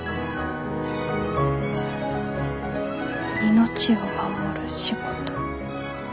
「命を守る仕事」。